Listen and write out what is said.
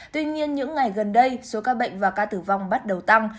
tuy nhiên những ngày gần đây số ca bệnh và ca tử vong bắt đầu tăng